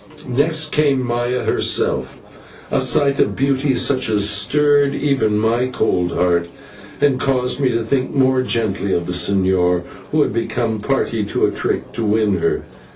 Next came Maya herself, a sight of beauty such as stirred even my cold heart, and caused me to think more gently of the señor, who had become party to a trick to win her.